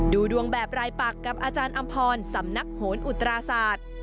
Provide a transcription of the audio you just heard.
ดูดวงแบบรายปักกับอาจารย์อำพรสำนักโหนอุตราศาสตร์